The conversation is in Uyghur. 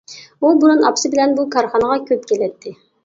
ئۇ بۇرۇن ئاپىسى بىلەن بۇ كارخانىغا كۆپ كېلەتتى.